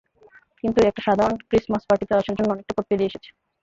কিন্তু, একটা সাধারণ ক্রিস্টমাস পার্টিতে আসার জন্য অনেকটা পথ পেড়িয়ে এসেছ।